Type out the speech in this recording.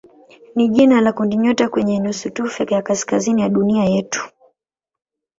ni jina la kundinyota kwenye nusutufe ya kaskazini ya dunia yetu.